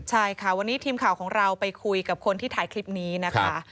ใช่ค่ะวันนี้ทีมข่าวของเราไปคุยกับคนที่ถ่ายคลิปนี้นะคะ